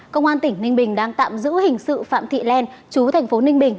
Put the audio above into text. công an tỉnh ninh bình đang tạm giữ hình sự phạm thị len chú thành phố ninh bình